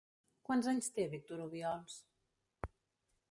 Quants anys té Víctor Obiols?